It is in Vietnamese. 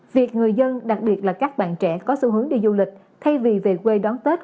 việc người dân đặc biệt là các bạn trẻ có xu hướng đi du lịch thay vì về quê đón tết